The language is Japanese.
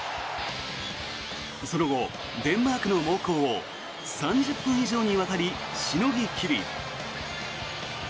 その後、デンマークの猛攻を３０分以上にわたりしのぎ切り。